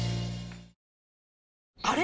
あれ？